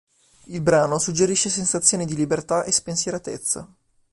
Il brano suggerisce sensazioni di libertà e spensieratezza.